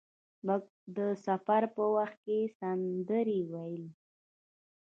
موږ د سفر په وخت کې سندرې ویل.